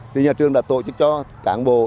thì nhà trường đã tổ chức cho cảng bộ